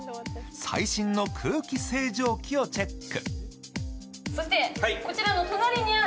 最新の空気清浄機をチェック。